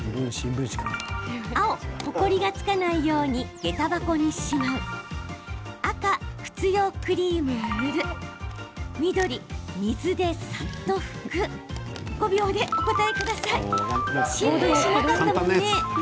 青・ほこりが付かないようにげた箱にしまう赤・靴用クリームを塗る緑・水でさっと拭く５秒でお答えください。